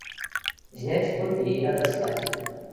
Зняць копіі і адаслаць.